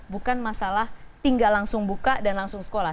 bukan masalah tinggal langsung buka dan langsung sekolah